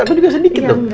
aku juga sedikit dong